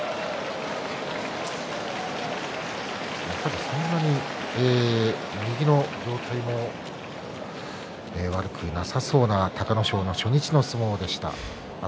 やはりそんなに右の状態も悪くなさそうな隆の勝の初日の相撲でした。